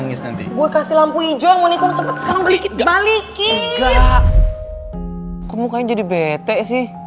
gimana dibete sih